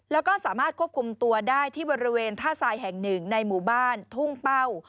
แล้วก็สามารถควบคุมตัวได้ที่บริเวณท่าทรายแห่งหนึ่งในหมู่บ้านทุ่งเป้า